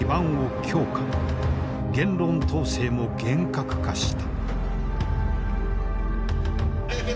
言論統制も厳格化した。